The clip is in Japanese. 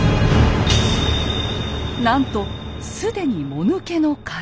なんと既にもぬけの殻。